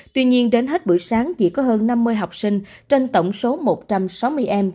tuy nhiên đến hết buổi sáng chỉ có hơn năm mươi học sinh trên tổng số một trăm sáu mươi em